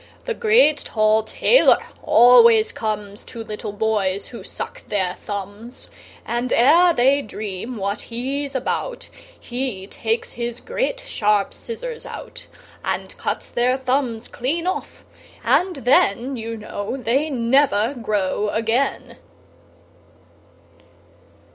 The great tall tailor always comes To little boys who suck their thumbs; And ere they dream what he's about, He takes his great sharp scissors out, And cuts their thumbs clean off and then, You know, they never grow again."